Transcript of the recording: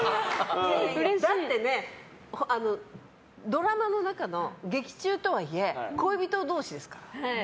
だってねドラマの中の劇中とはいえ恋人同士ですから。